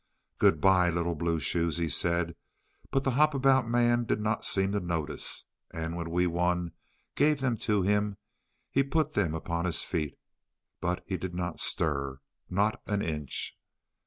"Good bye, little blue shoes," he said, but the Hop about Man did not seem to notice. And when Wee Wun gave them to him he put them upon his feet, but he did not stir, not an inch.